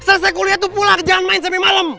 selesai kuliah tuh pulak jangan main sampe malem